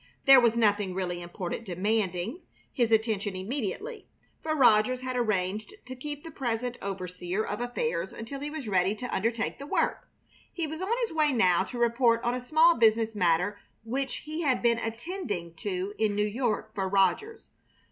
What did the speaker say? There was nothing really important demanding his attention immediately, for Rogers had arranged to keep the present overseer of affairs until he was ready to undertake the work. He was on his way now to report on a small business matter which he had been attending to in New York for Rogers.